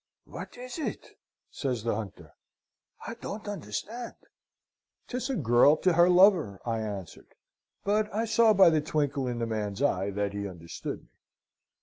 "'What is it?' says the hunter. 'I don't understand.' "''Tis a girl to her lover,' I answered; but I saw by the twinkle in the man's eye that he understood me.